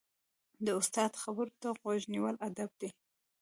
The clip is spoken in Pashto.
د استاد خبرو ته غوږ نیول ادب دی.